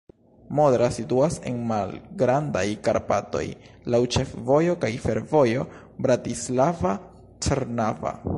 Modra situas en Malgrandaj Karpatoj, laŭ ĉefvojo kaj fervojo Bratislava-Trnava.